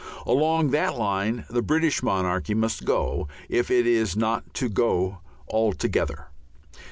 Along that line the British monarchy must go if it is not to go altogether.